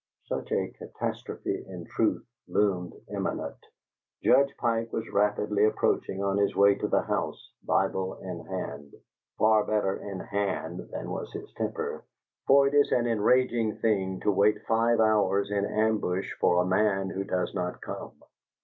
Such a catastrophe in truth loomed imminent. Judge Pike was rapidly approaching on his way to the house, Bible in hand far better in hand than was his temper, for it is an enraging thing to wait five hours in ambush for a man who does not come.